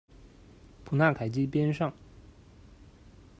普纳凯基边上。